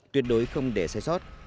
tuyệt đối không để sai sót